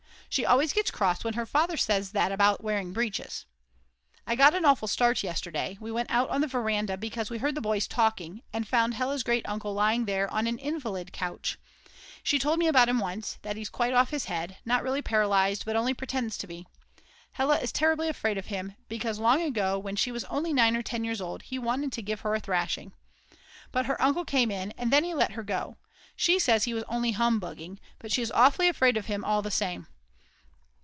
She always gets cross when her father says that about wearing breeches. I got an awful start yesterday; we went out on the veranda because we heard the boys talking, and found Hella's great uncle lying there on an invalid couch. She told me about him once, that he's quite off his head, not really paralysed but only pretends to be. Hella is terribly afraid of him, because long ago, when she was only 9 or 10 years old, he wanted to give her a thrashing. But her uncle came in, and then he let her go. She says he was only humbugging, but she is awfully afraid of him all the same.